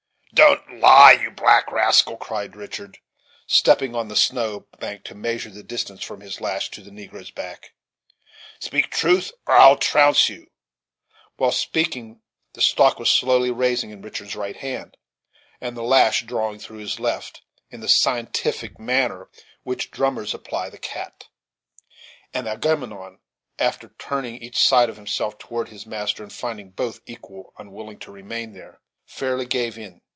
"Don't lie, you black rascal!" cried Richard, stepping on the snow bank to measure the distance from his lash to the negro's back; "speak truth, or I trounce you." While speaking, the stock was slowly rising in Richard's right hand, and the lash drawing through his left, in the scientific manner with which drummers apply the cat; and Agamemnon, after turning each side of himself toward his master, and finding both equally unwilling to remain there, fairly gave in.